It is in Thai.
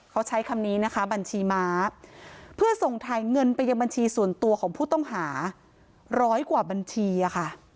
เขาใช้คำนี้นะคะบัญชีม้าเพื่อส่งถ่ายเงินไปยังบัญชีส่วนตัวของผู้ต้องหาร้อยกว่าบัญชีอะค่ะ